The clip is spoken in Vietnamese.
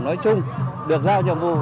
nói chung được giao nhiệm vụ